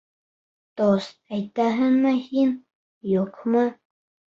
Тост әйтәһеңме һин, юҡмы?